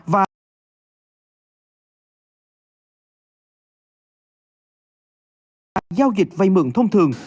và giao dịch vay mượn thông thường